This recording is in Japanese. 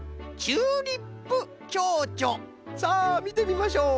さあみてみましょう！